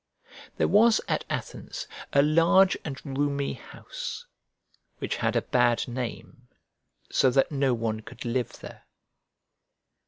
There was at Athens a large and roomy house, which had a bad name, so that no one could live there.